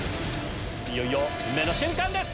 いよいよ運命の瞬間です！